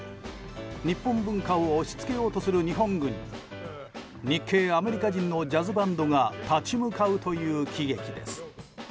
日本文化を押し付けようとする日本軍に日系アメリカ人のジャズバンドが立ち向かうという喜劇です。